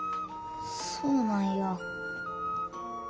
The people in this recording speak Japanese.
そうなんや。